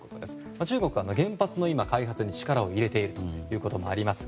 中国は原発の開発に力を入れているということもあります。